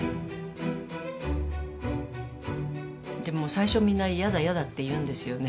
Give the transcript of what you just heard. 最初みんなやだやだって言うんですよね。